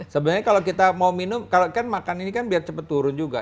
sebenarnya kalau kita mau minum kalau kan makan ini kan biar cepat turun juga